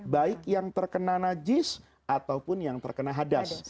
baik yang terkena najis ataupun yang terkena hadas